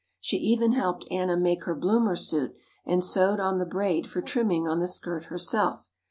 She even helped Anna make her bloomer suit and sewed on the braid for trimming on the skirt herself.